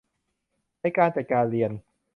ในการจัดการเรียน